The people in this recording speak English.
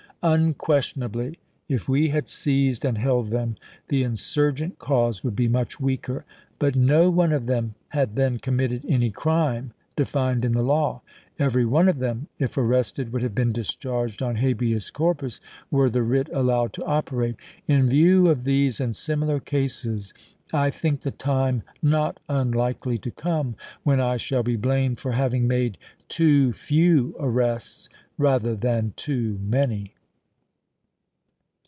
Unquestionably, if we had seized and held them, the insurgent cause would be much weaker. But no one of them had then committed any crime denned in the law. Every one of them, if arrested, would have been discharged on habeas corpus were the writ allowed to operate. In view of these and similar cases, I think the time not unlikely to come when I shall be blamed for having made too few arrests rather than too many.